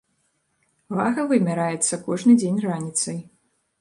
Вага вымяраецца кожны дзень раніцай.